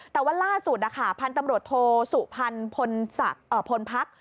แต่วันล่าสุดนะค่ะพันธุ์ตำรวจโทรสู่พันธุ์พลภักดิ์